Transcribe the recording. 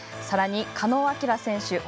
さらに狩野亮選手